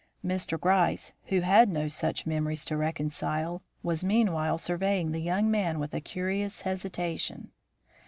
Mr. Gryce, who had no such memories to reconcile, was meanwhile surveying the young man with a curious hesitation.